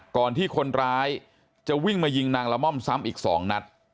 ก่อนที่คนร้ายจะวิ่งมายิงนางละม่อมซ้ำอีก๒นัด